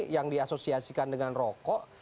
yang diasosiasikan dengan rokok